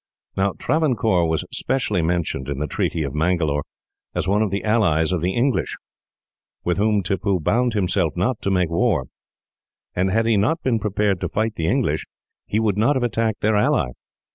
Now, Travancore was specially mentioned, in the treaty of Mangalore, as one of the allies of the English, with whom Tippoo bound himself not to make war; and had he not been prepared to fight the English, he would not have attacked their ally.